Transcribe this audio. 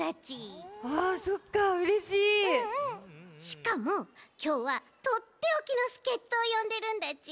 しかもきょうはとっておきのすけっとをよんでるんだち。